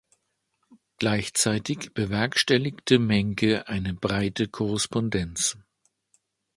Gleichzeitig bewerkstelligte Mencke eine breite Korrespondenz.